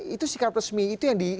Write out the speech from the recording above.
itu sikap resmi itu yang di